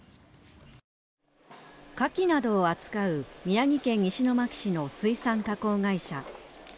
カキなどを扱う宮城県石巻市の水産加工会社。